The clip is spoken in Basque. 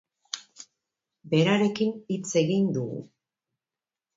Berarekin hitz egin dugu.